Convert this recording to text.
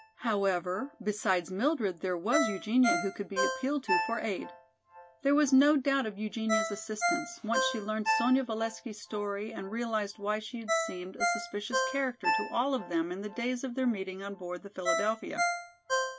However, besides Mildred there was Eugenia who could be appealed to for aid. There was no doubt of Eugenia's assistance, once she learned Sonya Valesky's story and realized why she had seemed a suspicious character to all of them in the days of their meeting on board the "Philadelphia."